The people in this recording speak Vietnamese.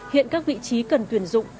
hiện các vị trí cần tuyển dụng